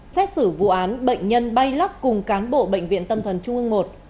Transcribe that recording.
xét xử vụ án bệnh nhân bay lắc cùng cán bộ bệnh viện tâm thần trung ương i